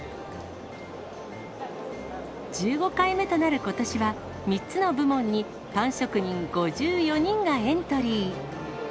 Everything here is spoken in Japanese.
１５回目となることしは、３つの部門に、パン職人５４人がエントリー。